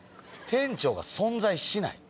店長が存在しない？